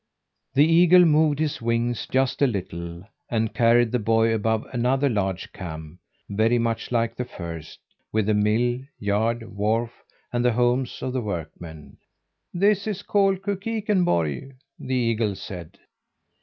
The eagle moved his wings just a little, and carried the boy above another large camp, very much like the first, with the mill, yard, wharf, and the homes of the workmen. "This is called Kukikenborg," the eagle said.